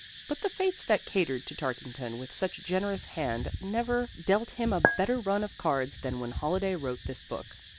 But the fates that catered to Tarkington with such generous hand never dealt him a better run of cards than when Holliday wrote this book.